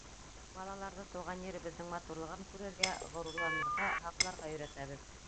Балаларҙы тыуған еребеҙҙең матурлығын күрергә, ғорурланырға, һаҡларға өйрәтәбеҙ.